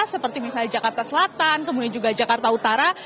seperti misalnya jakarta selatan kemudian juga jakarta utara